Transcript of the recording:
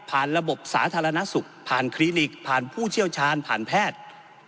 ระบบสาธารณสุขผ่านคลินิกผ่านผู้เชี่ยวชาญผ่านแพทย์